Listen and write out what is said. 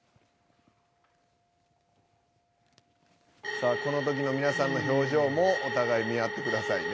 さあこの時の皆さんの表情もお互い見合ってくださいね。